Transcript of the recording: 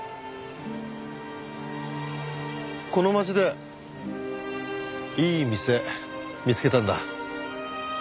この町でいい店見つけたんだ。